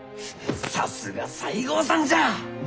さすが西郷さんじゃ。